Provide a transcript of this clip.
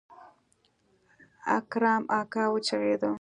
اکرم اکا وچغېده.